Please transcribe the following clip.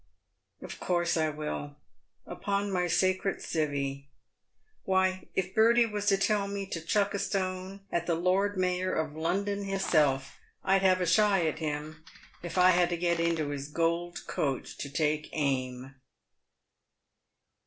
" Of course I will, upon my sacred civey. Why, if Bertie was to tell me to chuck a stone at the Lord Mayor of London hisself, I'd have a shy at him, if I had to get into his gold coach to take aim."